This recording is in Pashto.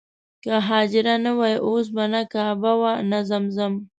که حاجره نه وای اوس به نه کعبه وه نه زمزم.